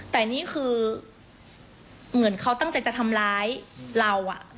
แต่นี่คือเหมือนเขาตั้งใจจะทำร้ายเรา